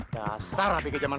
dasar hpg zaman sekolah